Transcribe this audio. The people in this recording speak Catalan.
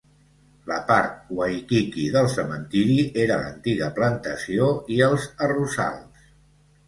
La part Waikiki del cementiri era la antiga plantació i els arrossals.